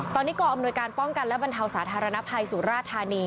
ตอนนี้กองอำนวยการป้องกันและบรรเทาสาธารณภัยสุราธานี